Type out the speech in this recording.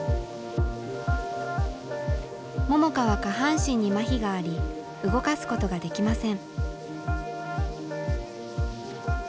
桃佳は下半身にまひがあり動かすことができません。